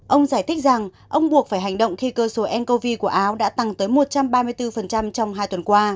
ông giải thích rằng ông buộc phải hành động khi cơ số ncov của áo đã tăng tới một trăm ba mươi bốn trong hai tuần qua